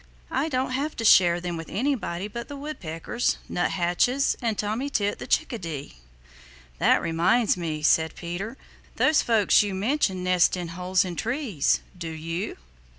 I don't have to share them with anybody but the Woodpeckers, Nuthatches, and Tommy Tit the Chickadee." "That reminds me," said Peter. "Those folks you have mentioned nest in holes in trees; do you?"